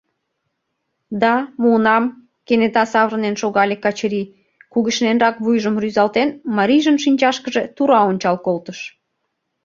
— Да, муынам! — кенета савырнен шогале Качырий, кугешненрак вуйжым рӱзалтен, марийжын шинчашкыже тура ончал колтыш.